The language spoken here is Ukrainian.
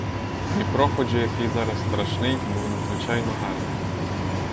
Дніпро, хоч і який зараз страшний, був надзвичайно гарний.